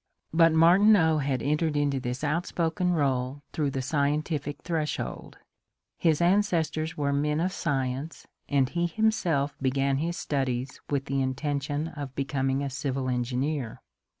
But Martinean had entered into this outspoken rdle through the scientific threshold. His ancestors were men of science and he himself began his studies with the intention of becom ing a civil engineer.